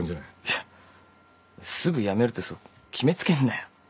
いやすぐ辞めるってそう決め付けんなよ。